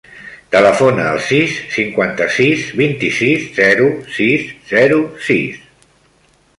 Telefona al sis, cinquanta-sis, vint-i-sis, zero, sis, zero, sis.